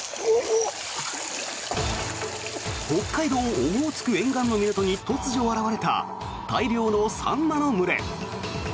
オホーツク沿岸の港に突如現れた大量のサンマの群れ。